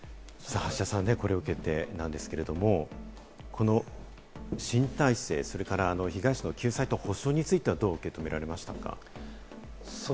橋田さん、これを受けてなんですけれども、この新体制それから被害者の救済と補償についてはどう受け止められましたか？